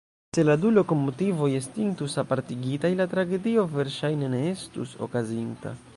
Se la du lokomotivoj estintus apartigitaj, la tragedio verŝajne ne estus okazinta.